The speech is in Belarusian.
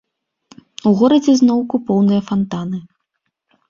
У горадзе зноўку поўныя фантаны.